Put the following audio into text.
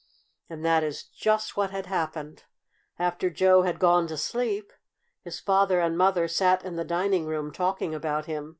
And that is just what had happened. After Joe had gone to sleep his father and mother sat in the dining room talking about him.